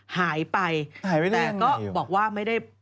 หายไปแต่ก็บอกว่าไม่ได้